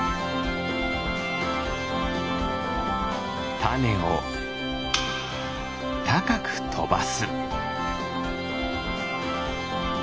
たねをたかくとばす。